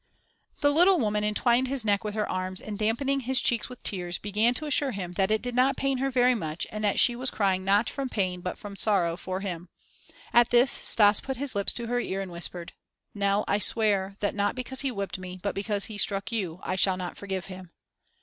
The little woman entwined his neck with her arms and dampening his cheeks with tears began to assure him that it did not pain her very much and that she was crying not from pain but from sorrow for him. At this Stas put his lips to her ear and whispered: "Nell, I swear that, not because he whipped me, but because he struck you, I shall not forgive him."